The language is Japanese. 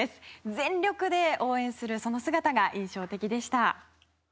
全力で応援する姿が印象的でした。